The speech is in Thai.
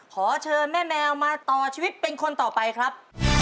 ขอเชิญแม่แมวมาต่อชีวิตเป็นคนต่อไปครับ